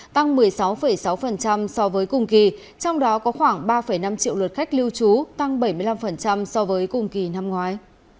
tăng một mươi sáu sáu so với cùng kỳ trong đó có khoảng ba năm triệu lượt khách lưu trú tăng bảy mươi năm so với cùng kỳ năm ngoái